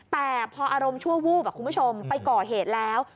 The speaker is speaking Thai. แต่พออารมณ์ชั่ววูบคุณผู้ชมไปก่อเหตุแล้ว